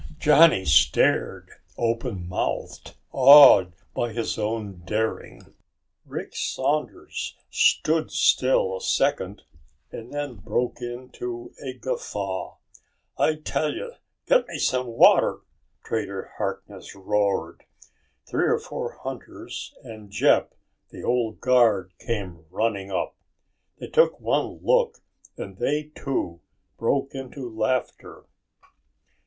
Johnny stared open mouthed, awed by his own daring. Rick Saunders stool still a second, and then broke into a guffaw. "I tell you, get me some water!" Trader Harkness roared. Three or four hunters and Jeb, the old guard, came running up. They took one look and they, too, broke into laughter.